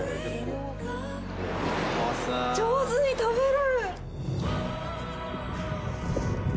上手に食べる。